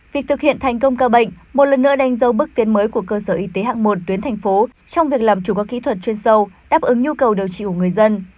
việc thực hiện thành công ca bệnh một lần nữa đánh dấu bước tiến mới của cơ sở y tế hạng một tuyến thành phố trong việc làm chủ các kỹ thuật chuyên sâu đáp ứng nhu cầu điều trị của người dân